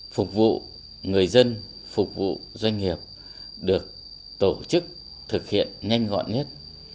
phục vụ người dân phục vụ doanh nghiệp được tổ chức thực hiện nhanh gọn nhất